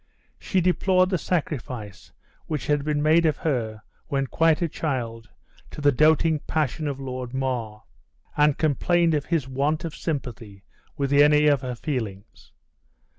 She deplored the sacrifice which had been made of her, when quite a child, to the doting passion of Lord Mar; and complained of his want of sympathy with any of her feelings.